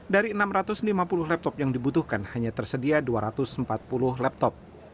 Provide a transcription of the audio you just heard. dari enam ratus lima puluh laptop yang dibutuhkan hanya tersedia dua ratus empat puluh laptop